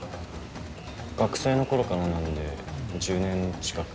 学生の頃からなんで１０年近く。